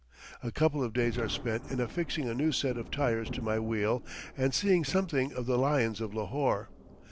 A couple of days are spent in affixing a new set of tires to my wheel and seeing something of the lions of Lahore.